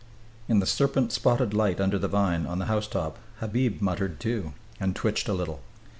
In the serpent spotted light under the vine on the housetop Habib muttered, too, and twitched a little.